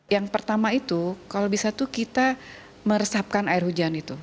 yang pertama itu kalau bisa tuh kita meresapkan air hujan itu